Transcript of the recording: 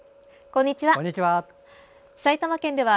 こんにちは。